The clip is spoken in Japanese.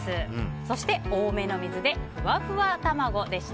そして多めの水でふわふわ卵でした。